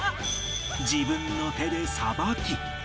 自分の手でさばき